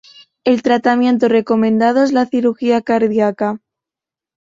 El tratamiento recomendado es la cirugía cardíaca.